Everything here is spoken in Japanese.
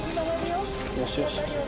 よしよし。